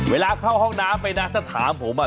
เวลาเข้าห้องน้ำไปนะถ้าถามผมอ่ะ